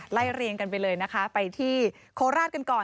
เรียงกันไปเลยนะคะไปที่โคราชกันก่อน